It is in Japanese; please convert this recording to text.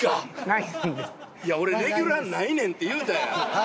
いや俺レギュラーないねんって言うたやん。